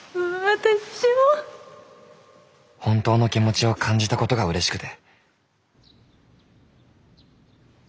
本当の気持ちを感じたことがうれしくて。